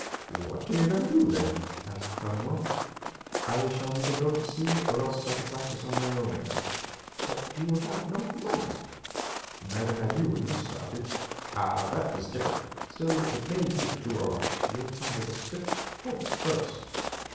"What are you going to do, then?" asked Cullingworth. "I shall either go to sea or else start a practice on my own account." "But you have no money." "Neither had you when you started." "Ah, that was different. Still, it may be that you are right. You'll find it a stiff pull at first."